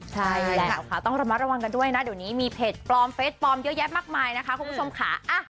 ใช่แล้วค่ะต้องระมัดระวังกันด้วยนะเดี๋ยวนี้มีเพจปลอมเฟสปลอมเยอะแยะมากมายนะคะคุณผู้ชมค่ะ